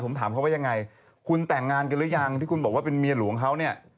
ผมถามเขาว่ายังไงคุณแต่งงานกันหรือยังที่คุณบอกว่าเป็นเมียหลวงเขาเนี่ย